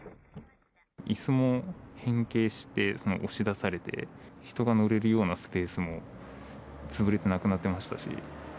いすも変形して、押し出されて、人が乗れるようなスペースも潰れてなくなってましたし。